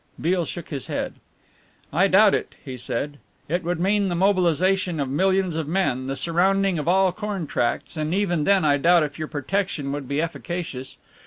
Beale shook his head. "I doubt it," he said; "it would mean the mobilisation of millions of men, the surrounding of all corn tracts and even then I doubt if your protection would be efficacious.